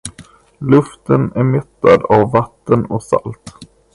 Luften är mättad av vatten och salt.